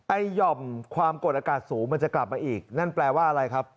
หย่อมความกดอากาศสูงมันจะกลับมาอีกนั่นแปลว่าอะไรครับ